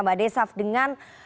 mbak desaf dengan